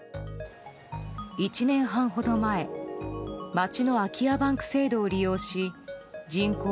１年半ほど前町の空き家バンク制度を利用し人口